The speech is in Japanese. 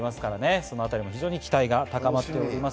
そのあたりも期待が高まっております。